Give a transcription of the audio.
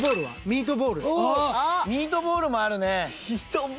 ミートボールあるな！